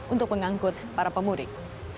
untuk mengangkut para pemudik